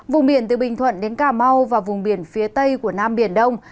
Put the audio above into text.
vùng biển từ bình thuận đến cà mau và vùng biển phía tây của nam biển đông